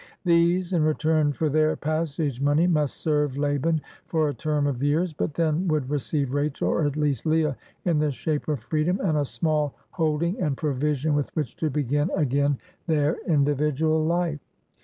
These, in return for their passage money, must serve Laban for a term of years, but then would receive Rachel, or at least Leah, in the shape of freedom and a small hold ing and provision with which to begin again their BOYAL GOVERNMENT 118 individual life.